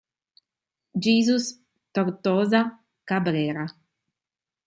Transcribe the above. Jesús Tortosa Cabrera